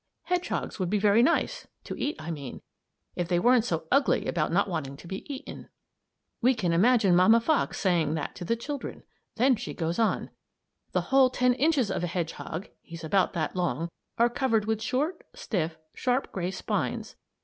"Hedgehogs would be very nice to eat, I mean if they weren't so ugly about not wanting to be eaten." We can imagine Mamma Fox saying that to the children. Then she goes on: "The whole ten inches of a hedgehog he's about that long are covered with short, stiff, sharp, gray spines.